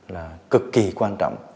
là cực kỳ quan trọng